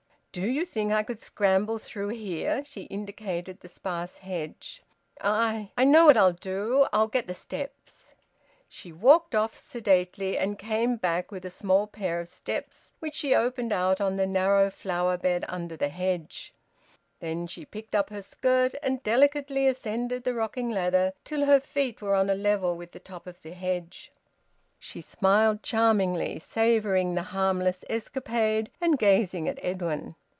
"Do you think I could scramble through here?" she indicated the sparse hedge. "I I " "I know what I'll do. I'll get the steps." She walked off sedately, and came back with a small pair of steps, which she opened out on the narrow flower bed under the hedge. Then she picked up her skirt and delicately ascended the rocking ladder till her feet were on a level with the top of the hedge. She smiled charmingly, savouring the harmless escapade, and gazing at Edwin.